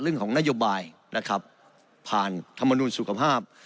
เรื่องของนโยบายนะครับผ่านธรรมนุนสุขภาพ